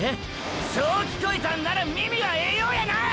そう聞こえたんなら耳はええようやな！！